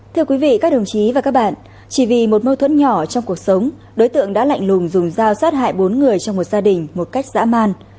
thưa quý vị các đồng chí và các bạn chỉ vì một mâu thuẫn nhỏ trong cuộc sống đối tượng đã lạnh lùm dùng dao sát hại bốn người trong một gia đình một cách dã man